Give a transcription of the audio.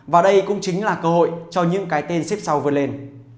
và đây cũng chính là cơ hội cho những cái tên xếp sau vừa lên